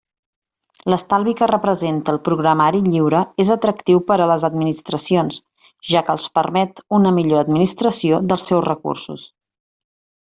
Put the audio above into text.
L'estalvi que representa el programari lliure és atractiu per a les administracions, ja que els permet una millor administració dels seus recursos.